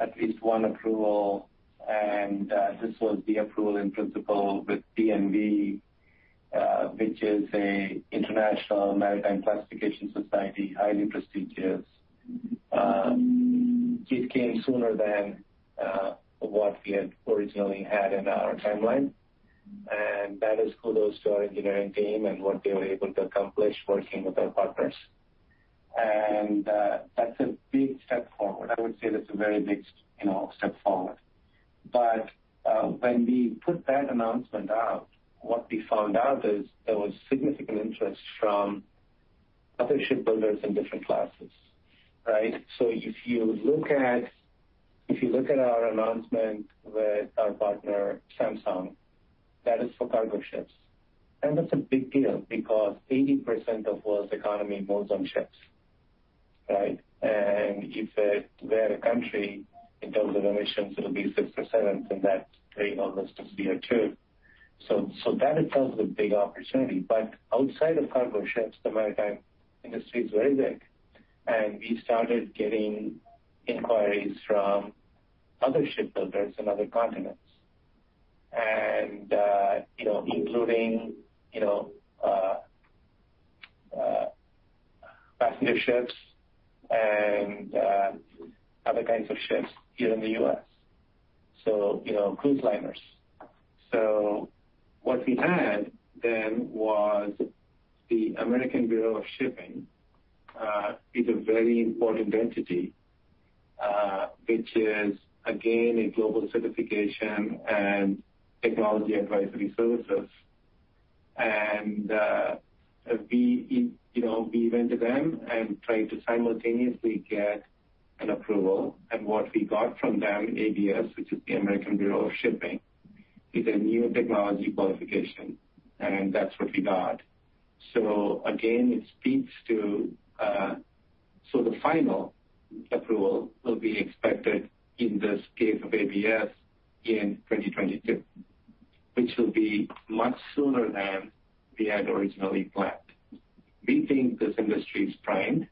at least one approval, and this was the approval in principle with DNV, which is an international maritime classification society, highly prestigious. It came sooner than what we had originally had in our timeline, and that is kudos to our engineering team and what they were able to accomplish working with our partners. That's a big step forward. I would say that's a very big step forward. When we put that announcement out, what we found out is there was significant interest from other shipbuilders in different classes. Right? If you look at our announcement with our partner, Samsung, that is for cargo ships. That's a big deal because 80% of world's economy moves on ships. Right? If they're a country in terms of emissions, it'll be sixth or seventh in that train almost as we accrue. That in itself is a big opportunity. Outside of cargo ships, the maritime industry is very big. We started getting inquiries from other shipbuilders in other continents and including passenger ships and other kinds of ships here in the U.S. cruise liners. What we had then was the American Bureau of Shipping is a very important entity, which is again, a global certification and technology advisory services. We went to them and tried to simultaneously get an approval. What we got from them, ABS, which is the American Bureau of Shipping, is a New Technology Qualification, and that's what we got. Again, it speaks to. The final approval will be expected in this case of ABS in 2022, which will be much sooner than we had originally planned. We think this industry is primed,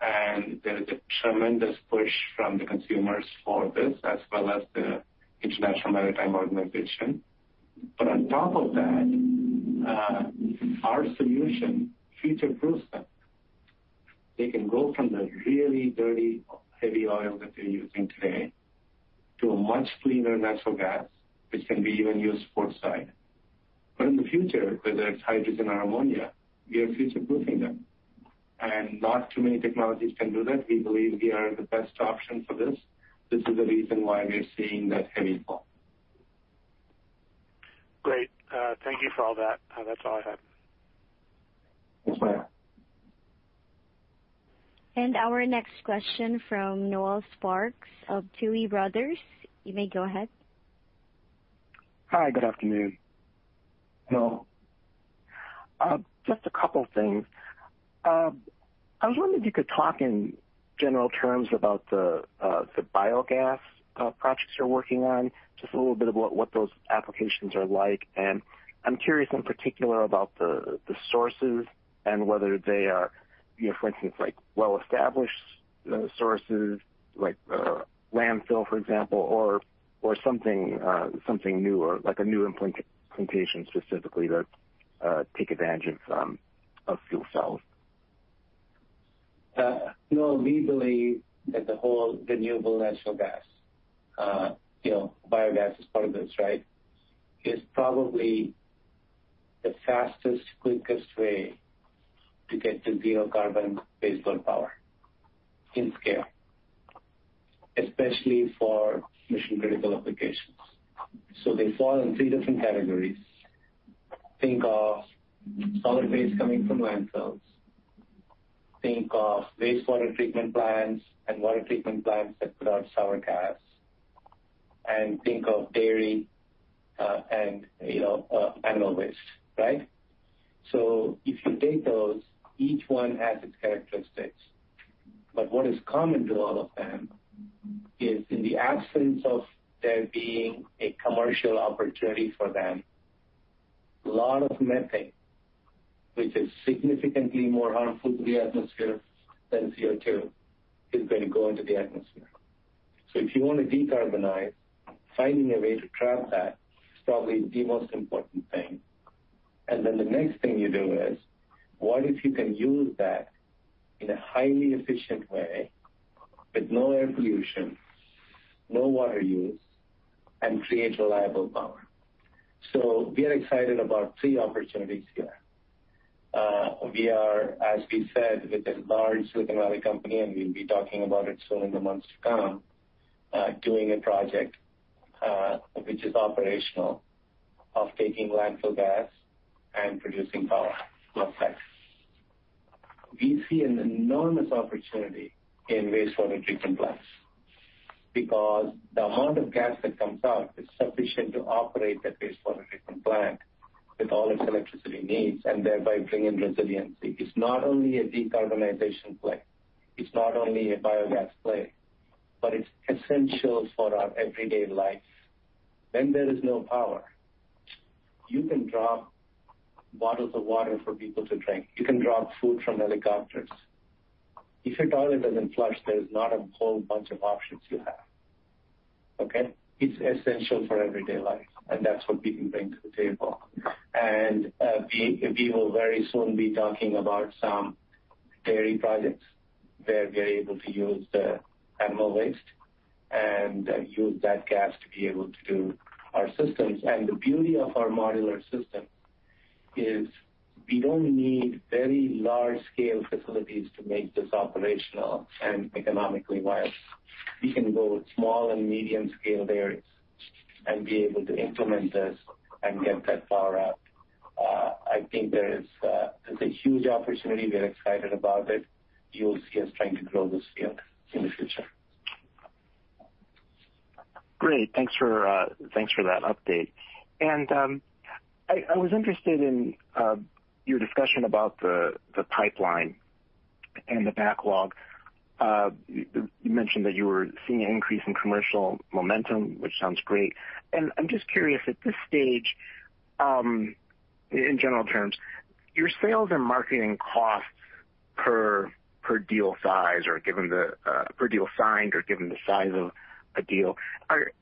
and there is a tremendous push from the consumers for this, as well as the International Maritime Organization. On top of that, our solution future-proofs them. They can go from the really dirty, heavy oil that they're using today to a much cleaner natural gas, which can be even used portside. In the future, whether it's hydrogen or ammonia, we are future-proofing them. Not too many technologies can do that. We believe we are the best option for this. This is the reason why we are seeing that heavy pull. Great. Thank you for all that. That is all I have. Thanks, Michael. Our next question from Noel Parks of Tuohy Brothers. You may go ahead. Hi, good afternoon. Noel. Just a couple of things. I was wondering if you could talk in general terms about the biogas projects you're working on, just a little bit about what those applications are like. I'm curious in particular about the sources and whether they are, for instance, well-established sources like landfill, for example, or something newer, like a new implementation specifically to take advantage of fuel cells. Noel, we believe that the whole renewable natural gas, biogas is part of this, right? The fastest, quickest way to get to zero carbon baseload power in scale, especially for mission-critical applications. They fall in three different categories. Think of solid waste coming from landfills. Think of wastewater treatment plants and water treatment plants that put out sour gas. Think of dairy and animal waste, right? If you take those, each one has its characteristics, but what is common to all of them is in the absence of there being a commercial opportunity for them, a lot of methane, which is significantly more harmful to the atmosphere than CO2, is going to go into the atmosphere. If you want to decarbonize, finding a way to trap that is probably the most important thing. Then the next thing you do is, what if you can use that in a highly efficient way with no air pollution, no water use, and create reliable power? We are excited about three opportunities here. We are, as we said, with a large economic company, and we'll be talking about it soon in the months to come, doing a project, which is operational, of taking landfill gas and producing power onsite. We see an enormous opportunity in wastewater treatment plants because the amount of gas that comes out is sufficient to operate that wastewater treatment plant with all its electricity needs, and thereby bring in resiliency. It's not only a decarbonization play, it's not only a biogas play, but it's essential for our everyday life. When there is no power, you can drop bottles of water for people to drink. You can drop food from helicopters. If your toilet doesn't flush, there's not a whole bunch of options you have. Okay. It's essential for everyday life, that's what we can bring to the table. We will very soon be talking about some dairy projects where we're able to use the animal waste and use that gas to be able to do our systems. The beauty of our modular system is we don't need very large-scale facilities to make this operational and economically viable. We can go small and medium scale there and be able to implement this and get that power out. I think there is a huge opportunity. We're excited about it. You'll see us trying to grow this scale in the future. Great. Thanks for that update. I was interested in your discussion about the pipeline and the backlog. You mentioned that you were seeing an increase in commercial momentum, which sounds great. I'm just curious, at this stage, in general terms, your sales and marketing costs per deal size or given the per deal signed or given the size of a deal are,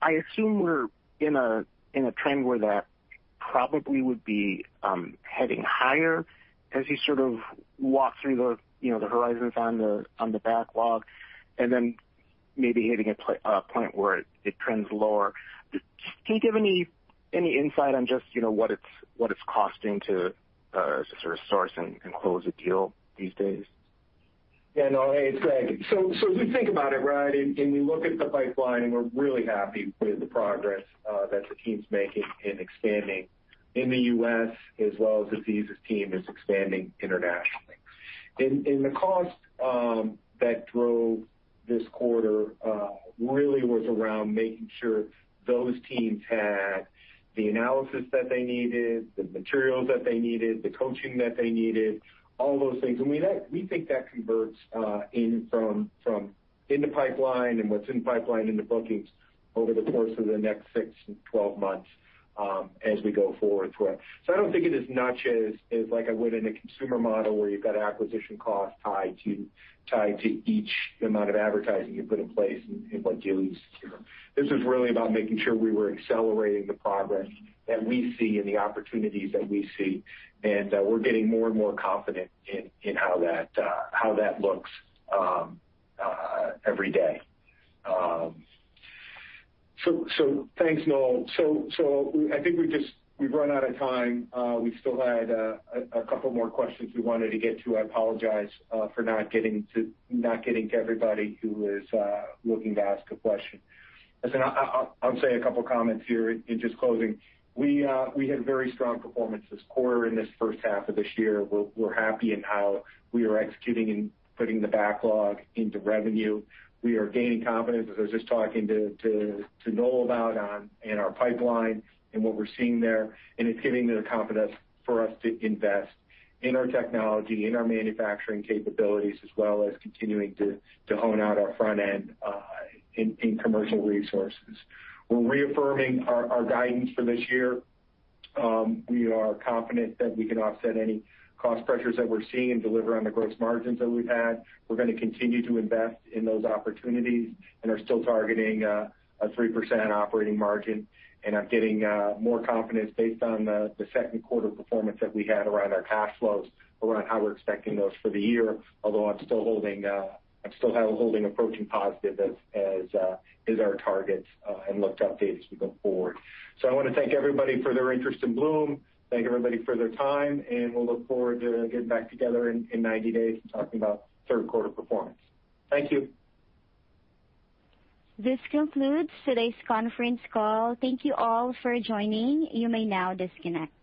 I assume we're in a trend where that probably would be heading higher as you sort of walk through the horizons on the backlog and then maybe hitting a point where it trends lower. Can you give any insight on just what it's costing to sort of source and close a deal these days? Yeah. No, hey, it's Greg. We think about it, right? We look at the pipeline, and we're really happy with the progress that the team's making in expanding in the U.S. as well as Azeez's team is expanding internationally. The cost that drove this quarter really was around making sure those teams had the analysis that they needed, the materials that they needed, the coaching that they needed, all those things. We think that converts in from in the pipeline and what's in pipeline into bookings over the course of the next six and 12 months as we go forward. I don't think it as much as like I would in a consumer model where you've got acquisition costs tied to each amount of advertising you put in place and what deals you secure. This is really about making sure we were accelerating the progress that we see and the opportunities that we see, and we're getting more and more confident in how that looks every day. Thanks, Noel. I think we've run out of time. We still had a couple more questions we wanted to get to. I apologize for not getting to everybody who was looking to ask a question. Listen, I'll say a couple comments here in just closing. We had very strong performance this quarter in this first half of this year. We're happy in how we are executing and putting the backlog into revenue. We are gaining confidence, as I was just talking to Noel about, in our pipeline and what we're seeing there. It's giving the confidence for us to invest in our technology, in our manufacturing capabilities, as well as continuing to hone out our front end in commercial resources. We're reaffirming our guidance for this year. We are confident that we can offset any cost pressures that we're seeing and deliver on the gross margins that we've had. We're going to continue to invest in those opportunities and are still targeting a 3% operating margin and are getting more confidence based on the second quarter performance that we had around our cash flows around how we're expecting those for the year. Although I'm still holding approaching positive as our targets and looked updated as we go forward. I want to thank everybody for their interest in Bloom. Thank everybody for their time, and we'll look forward to getting back together in 90 days and talking about third quarter performance. Thank you. This concludes today's conference call. Thank you all for joining. You may now disconnect.